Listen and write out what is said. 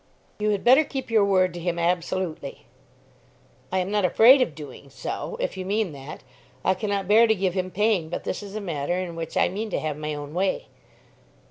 "You had better keep your word to him absolutely." "I am not afraid of doing so, if you mean that. I cannot bear to give him pain, but this is a matter in which I mean to have my own way."